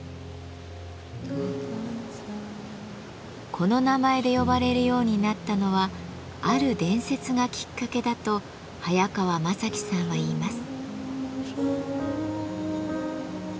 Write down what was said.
この名前で呼ばれるようになったのはある伝説がきっかけだと早川正樹さんは言います。